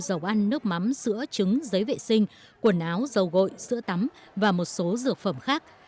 dầu ăn nước mắm sữa trứng giấy vệ sinh quần áo dầu gội sữa tắm và một số dược phẩm khác